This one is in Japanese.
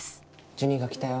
ジュニが来たよ。